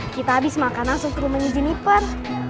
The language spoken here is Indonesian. kita abis makan langsung ke rumahnya jennifer